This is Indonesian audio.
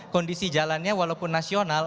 kondisi jalannya walaupun nasional